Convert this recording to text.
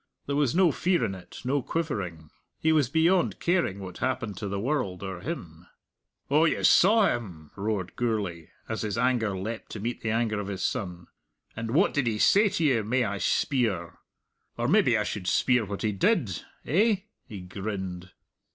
There was no fear in it, no quivering. He was beyond caring what happened to the world or him. "Oh, you saw him," roared Gourlay, as his anger leapt to meet the anger of his son. "And what did he say to you, may I speir?... Or maybe I should speir what he did.... Eh?" he grinned.